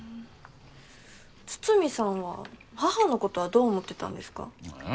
筒見さんは母のことはどう思ってたんですか？